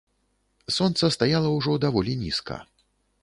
Сонца стаяла ўжо даволі нізка.